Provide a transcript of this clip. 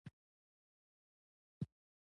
د آیبياېن نمبر هر پولي انتقال کې مهم دی.